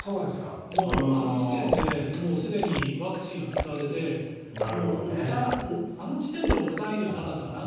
もうあの時点ですでにワクチンは使われてあの時点では億単位ではなかったかな